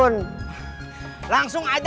langsung aja nyambung pake angkotnya